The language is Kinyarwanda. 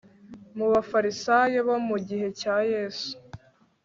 mu bafarisayo bo mu gihe cya yesu